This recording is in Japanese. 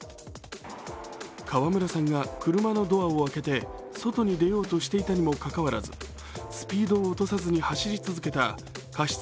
川村さんが車のドアを開けて外に出ようとしていたにもかかわらずスピードを落とさずに走り続けた過失